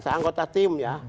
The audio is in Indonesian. saya anggota tim ya